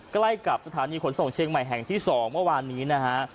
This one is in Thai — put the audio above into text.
ใกล้กับสถานีขนส่งเชียงใหม่แห่งที่๒เมื่อวานนี้นะฮะ